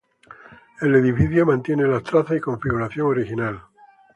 El edificio mantiene las trazas y configuración original.